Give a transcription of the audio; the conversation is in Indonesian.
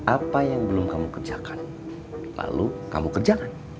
apa yang belum kamu kerjakan lalu kamu kerjakan